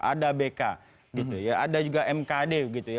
ada bk gitu ya ada juga mkd gitu ya